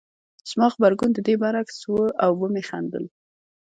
زما غبرګون د دې برعکس و او ومې خندل